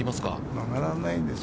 曲がらないですよ。